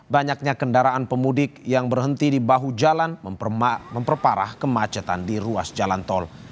banyaknya kendaraan pemudik yang berhenti di bahu jalan memperparah kemacetan di ruas jalan tol